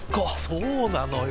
そうなのよ。